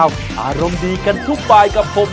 สวัสดีครับ